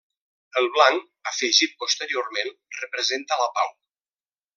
El blanc, afegit posteriorment, representa la pau.